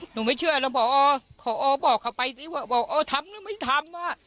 หนูไม่เชื่อแล้วพอบอกเขาไปซิว่าพอทำหรือไม่ทำ